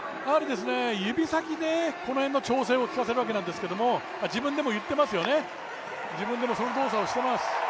指先でこの辺の調整をきかせるわけなんですが、自分でも言ってますよね、その動作をしています。